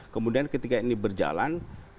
kemudian ketika ini berjalan